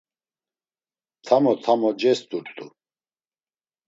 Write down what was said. Tamo tamo cest̆urt̆u.